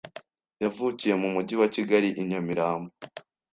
yavukiye mu Mujyi wa Kigali i Nyamirambo